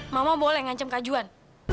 mama boleh ngancem kak juan